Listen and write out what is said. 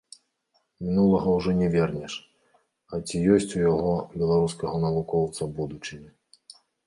Мінулага ўжо не вернеш, а ці ёсць у яго, беларускага навукоўца, будучыня.